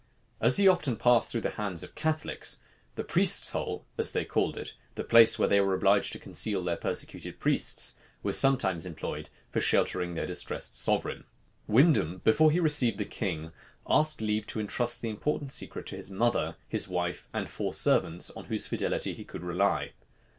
As he often passed through the hands of Catholics, the priests hole, as they called it, the place where they were obliged to conceal their persecuted priests, was sometimes employed for sheltering their distressed sovereign. Windham, before he received the king, asked leave to intrust the important secret to his mother, his wife, and four servants, on whose fidelity he could rely.